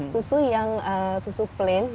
susu yang susu plain